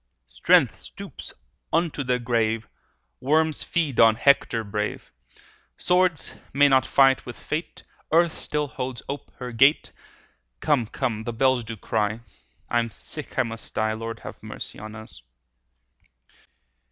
Strength stoops unto the grave, Worms feed on Hector brave; Swords may not fight with fate; Earth still holds ope her gate; 25 Come, come! the bells do cry; I am sick, I must die— Lord, have mercy on us!